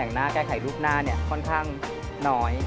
ของการแต่งหน้าแก้ไขรูปหน้ามันค่อนข้างน้อย